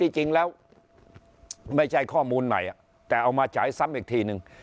จริงแล้วไม่ใช่ข้อมูลใหม่แต่เอามาฉายซ้ำอีกทีนึง